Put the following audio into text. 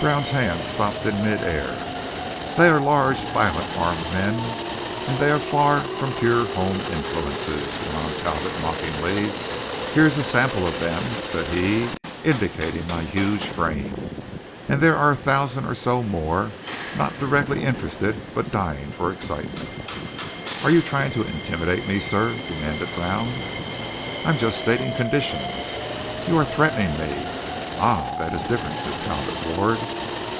Brown's hand stopped in midair. "They are large, violent, armed men; and they are far from pure home influences," went on Talbot mockingly. "Here's a sample of them," said he indicating my huge frame. "And there are a thousand or so more, not directly interested but dying for excitement." "Are you trying to intimidate me, sir?" demanded Brown. "I am just stating conditions." "You are threatening me." "Ah, that is different," said Talbot Ward.